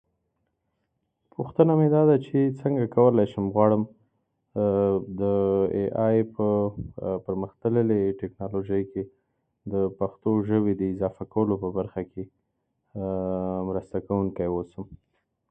A second Sputnik was launched a month later.